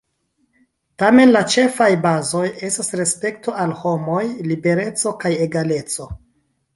Tamen la ĉefaj bazoj estas respekto al homoj, libereco kaj egaleco.